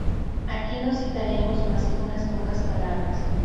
Aquí no citaremos más que unas pocas palabras.